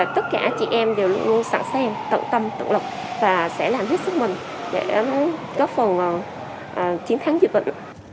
tất cả chị em đều luôn sẵn sàng tận tâm tự lực và sẽ làm hết sức mình để góp phần chiến thắng dịch bệnh